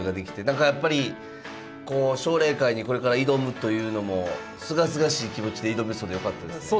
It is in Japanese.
何かやっぱり奨励会にこれから挑むというのもすがすがしい気持ちで挑めそうでよかったですね。